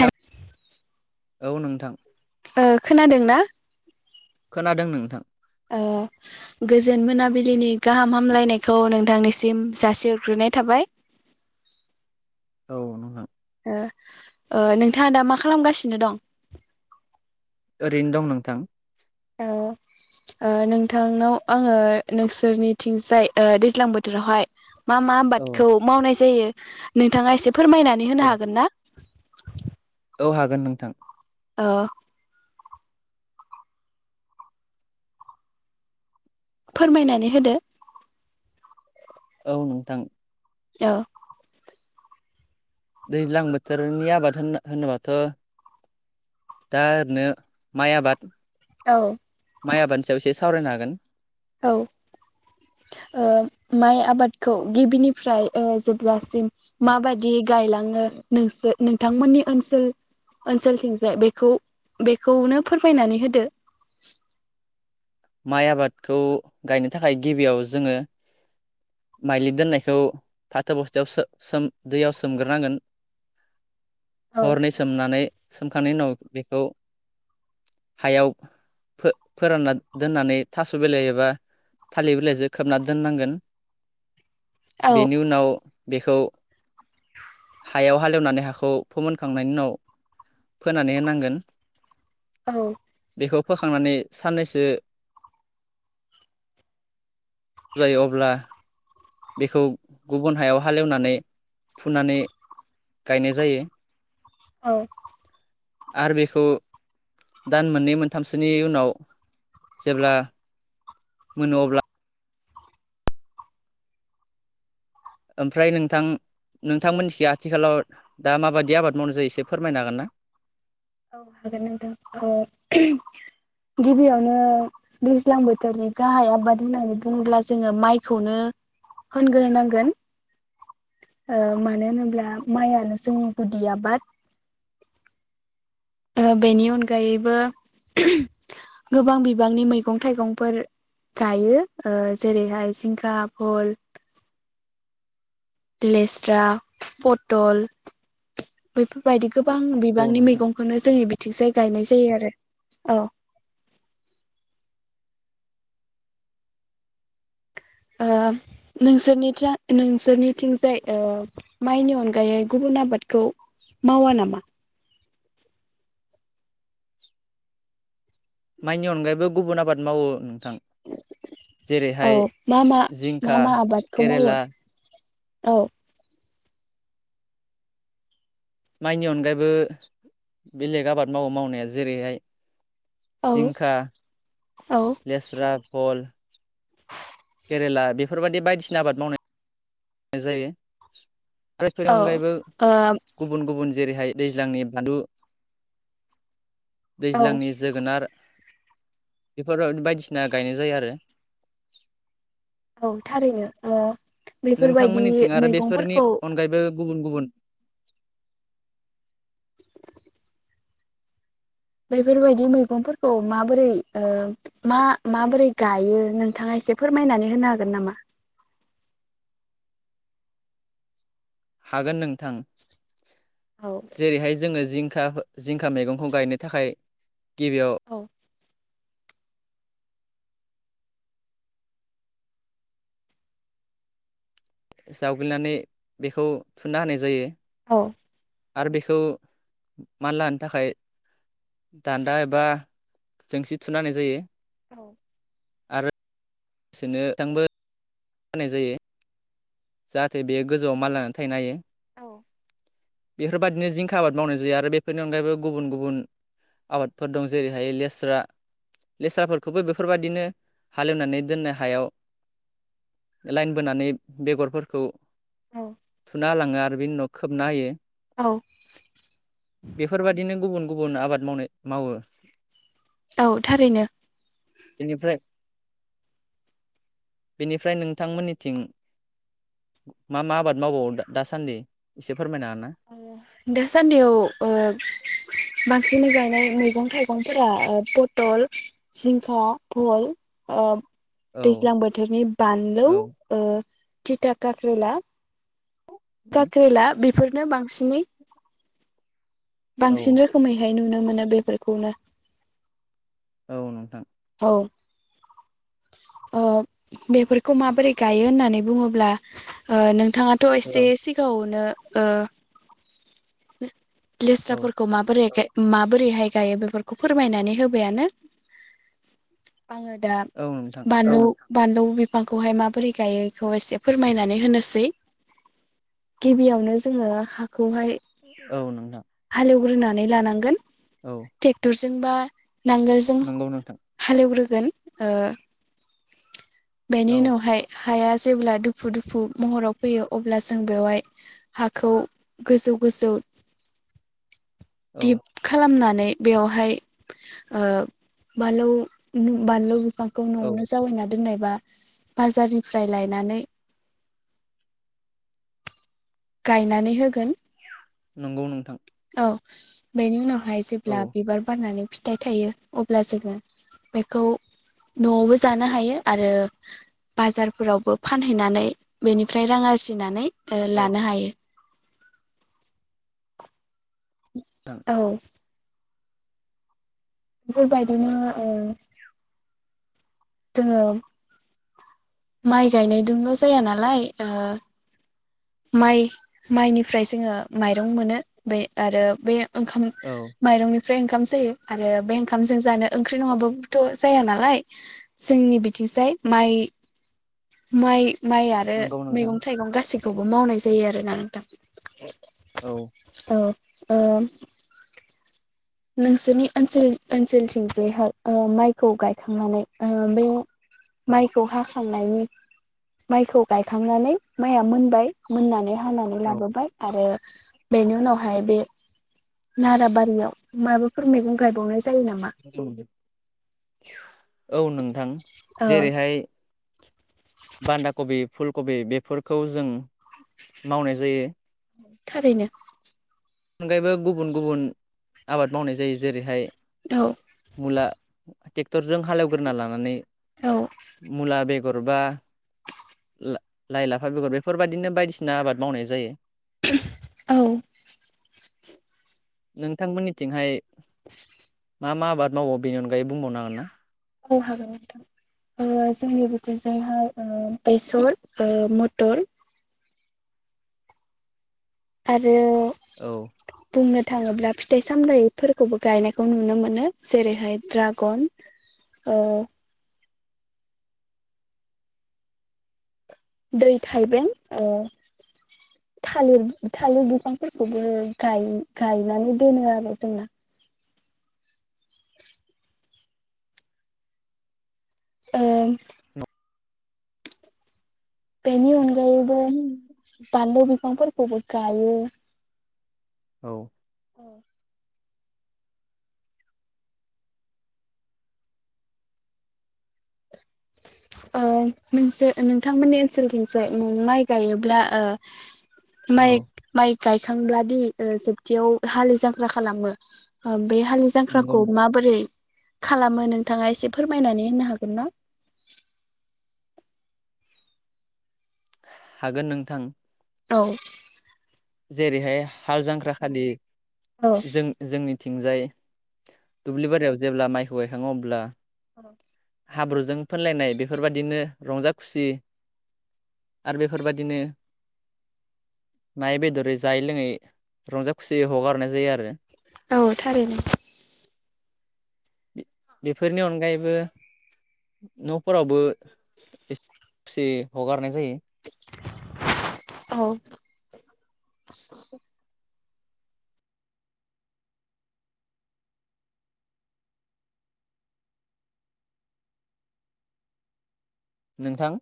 हेल औ नोंथां ओ खोनादोंना खोनादों नोंथां ओ गोजोन मोनाबिलिनि गाहाम हामलायनायखौ नोंथांनिसिम जासिहरग्रोनाय थाबाय औ नोंथां ओ ओ नोंथाङा दा मा खालामगासिनो दं? ओरैनो दं नोंथां। ओ ओ नोंथांनाव आङो नोंसोरनिथिंजाय दैज्लां बोथोरावहाय मा मा औ आबादखौ मावनाय जायो? नोंथाङा एसे फोरमायनानै औ होनो हागोन ना? औ हागोन नोंथां? अ फोरमायनानै होदो। औ नोंथां। ओ दैज्लां बोथोरनि आबाद होनना होनोबाथ' दा ओरैनो माइ आबाद। औ माइ आबादनि सायाव एसे सावरायनो हागोन। औ ओ माइ आबादखौ गिबिनिफ्राय ओ जोबजासिम मा बादि गायलाङो नोंसो नोंथांमोननि ओनसोल ओनसोलथिंजाय बेखौ बेखौनो फोरमायनानै होदो। माइ आबादखौ गायनो थाखाय गिबियाव जोङो माइलि दोननायखौ फाथो बस्थायाव सो सोम दैयाव सोमग्रोनांगोन। औ हरनै सोमनानै सोम थांनि उनाव बेखौ हायाव फो फोरानना दोननानै थास' बिलाइ एबा थालिर बिलाइजों खोबना दोननांगोन। औ बेनि उनाव बेखौ हायाव हालेवनानै हाखौ फोमोनखांनायनि उनाव फोनानै होनांगोन। औ बेखौ फोखांनानै साननैसो जायो अब्ला बेखौ गुबुन हायाव हालेवनानै फुनानै गायनाय जायो। औ आरो बेखौ दान मोननै मोनथामसोनि उनाव जेब्ला मोनो अब्ला ओमफ्राय नोंथां नोंथांमोनथि आथिखालाव दा माबायदि आबाद मावनाय जायो एसे फोरमायनो हागोन ना? [unintelligible] ओ गिबियावनो दैज्लां बोथोरनि गाहाय आबाद होननानै बुङोब्ला जोङो माइखौनो होनग्रोनांगोन मानो होनोब्ला माइानो जोंनि गुदि आबाद। ओ बेनि अनगायैबो गोबां बिबांनि मैगं थाइगंफोर गायो जेरैहाय जिंखा भल लेस्रा पटल बेफोरबायदि गोबां औ बिबांनि नोंथां मैगंखौनो जोंनिबि थिसे गायनाय जायो आरो औ ओ नोंसोरनिथि नोंसोरनिथिंजाय ओ माइनि अनगायै गुबुन आबादखौ मावा नामा? माइनि अनगायैबो गुबुन आबाद मावो। औ जेरैहाय मा मा मा जिंखा मा आबादखौ मावो केरेला औ माइनि अनगायै बो बेलेग आबाद मावो मावनाया जेरैहाय औ जिंखा औ लेस्रा फल केरेला बेफोर बायदि बायदिसिना आबाद मावनाय जायो। आरो बेनि औ अनगायैबो ओ गुबुन गुबुन जेरैहाय दैज्लांनि बानलु औ दैज्लांनि जोगोनार बेफोरो बायदिसिना गायनाय जायो आरो। औ थारैनो ओ नोंथां बेफोरबायदि मोननिथिं आरो बेफोरनि मैगंफोरखौ अनगायैबो गुबुन गुबुन [inaudible] बेफोर बायदि मैगं फोरखौ माबोरै ओ मा माबोरै गायो नोंथाङा एसे फोरमायनानै होनो हागोन नामा? हागोन नोंथां। औ जेरैहाय जोङो जिं खा जिंखा मैगंखौ गायनो थाखाय गिबियाव औ जावग्लिनानै बेखौ थुनना होनाय जायो। औ। आरो बेखौ मान लानो थाखाय दान्दा एबा जोंसि थुना होनाय जायो। औ एसेनो थांबो होनाय जायो। जाहाथे बेयो गोजौ आव मालानानै थायनो हायो। औ। बेफोर बायदिनो जिंखा आबाद मावनाय जायो आरो बेफोरनि अनगायैबो गुबुन गुबुन आबादफोर दं जेरैहाय लेस्रा लेस्रा फोरखौबो बेफोर बायदिनो हालेवनानै दोननाय हायाव लाइन बोनानै बेगर फोरखौ औ थुना होलाङो आरो बिनि उनाव खोबना होयो। औ बेफोर बायदिनो गुबुन गुबुन आबाद मावनाय मावो। औ थारैनो। बेनिफ्राय बेनिफ्राय नोंथां मोननिथिं मा मा आबाद मावबावो दा दासान्दि एसे फोरमायना दासान्दियाव ओ बांसिन गाय नाय मैगं-थाइगं फोरा ओ पतल जिंखा भल ओ ना औ दैज्लां बोथोरनि बानलौ औ ओ तिथा काकरेला [inaudible] काकरेला बेफोरनो बांसिनै औ बांसिन रोखोमैहाय नुनो मोनो बेफोरखौनो औ नोंथां ओ औ बेफोरखौ माबोरै गायो होननानै बुङोब्ला नों नोंथाङाथ' औ एसे सिगाङावनो ओ [unintelligible] औ लेस्राफोरखौ माबोरैहाय माबोरैहाय गायो बेफोरखौ फोरमायनानै होबायानो आंङो दा औ नोंथां बानलु बानलौ बिफांखौहाय माबोरै गायो बेखौ एसे फोरमायनानै होनोसै गिबियावनो जोंङो हाखौहाय औ नोंथां हालेवग्रोनानै लानांगोन औ तेक्टर जोंबा नांगोलजों नंगौ नोंथां हालएवग्रो गोन बेनि औ उनावहाय हाया जेब्ला दुफु दुफु महराव फैयो अब्ला जों बेवहाय हाखौ गोजौ गोजौ औ दिप खालामनानै बेवहाय ओ बालौ बानलु फांखौ औ न'आवनो जावायना दोनोबा बाजारनिफ्राय लायनानै गायनानै होगोन नंगौ नोंथां औ बेनि उनाव हाय औ जेब्ला बिबार बारनानै फिथाइ थायो अब्ला जोंङो बेखौ न'आवबो जानो हायो आरो बाजारफोरावबो फानहैनानै बेनिफ्राय रां आरजिनानै ओ औ लानो हायो औ बे बायदिना ओ जोंङो माइ गायनायदोंल' जाया नालाय ओ माइ माइनिफ्राय जोंङो माइरं मोनो बे आरो बे ओंखाम औ माइरंनि फ्राय ओंखाम जायो आरो बे ओंखामजों जानो ओंख्रि नङाबा बोथ' जाया नालाय जोंनि बिथिंजाय माइ-माइ माइ आरो नंगौ नोंथां मैगं थाइगं गासै खौबो मावनाय जायो आरोना नोंथां। औ औ ओ नोंसोरनि ओनसोल-ओनसोलथिंजायहाय ओ माइखौ गायखांनानै ओ बे औ माइखौ हा खांनायनि माइखौ गायखांनानै माइआ मोनबाय मोननानै हानानै लाबोबाय आरो बेनि उनावहाय बे नाराबारियाव माबाफोर मैगं गायबावनाय जायो नामा? अम औ नोंथां ओ जेरैहाय बान्दा कबि फुल कबि बेफोरखौ जों मावनाय जायो। थारैनो अनगायैबो गुबुन-गुबुन आबाद मावनाय जायो जेरैहाय औ मुला टेक्ट'रजों हालेवग्रोना लानानै औ मुला बे गरबा ला-लाय लाफा बेगर बेफोरबादिनो बायदिसिना आबाद मावनाय जायो। औ नोंथांमोननिथिंहाय मा मा आबाद मावो बेनि अनगायै बुंबावनो हागोन ना औ हागोन नोंथां ओ जोंनि बेथिंजायहाय ओ बेसर ओ मटर आरो औ बुंनो थाङोब्ला फिथाइ सामथायाइफोरखौबो गायनायखौ नुनो मोनो जेरैहाय ड्रागन ओ दै थाइबें ओ थालिर-थालिर बिफांफोरखौबो गाय-गायनानै दोनो आरो जोंना। [inaudible] ओं बेनि अन गायै बो बानलु बिफां फोर खौबो गायो औ ओ मोनसे नोंथांमोननि ओनसोलथिंसाय माइ गायोब्ला ओ औ माइ-माइ गायखांब्लादि ओ जोबथियाव हालि जाग्रा खालामो बे हालि नंगौ जांख्राखौ माबोरै खालामो नोंथाङा एसे फोरमायनानै होननो हागोन ना। हागोन नोंथां औ जेरैहाय हाल जांख्रा खालि औ जों जोंनि थिंजाय दुब्लि बारियाव जेब्ला माइखौ गायखाङो अब्ला हाब्रुजों फोनलायनाय बेफोरबादिनो रंजा खुसि आरो बेफोरबादिनो नाय बेदरै जायै लोङै रंजा खुसियै हगारनाय जायो आरो औ थारैनो बेफोरनि अनगायैबो न'फोरावबो एसे खुसे हगारनाय जायो औ नोंथां